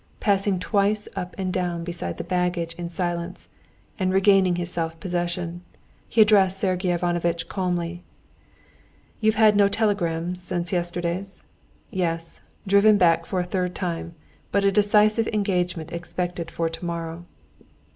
Passing twice up and down beside the baggage in silence and regaining his self possession, he addressed Sergey Ivanovitch calmly: "You have had no telegrams since yesterday's? Yes, driven back for a third time, but a decisive engagement expected for tomorrow."